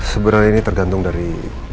sebenarnya ini tergantung dari